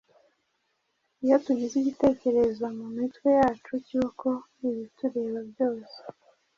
Iyo tugize igitekerezo mu mitwe yacu cyuko ibitureba byose,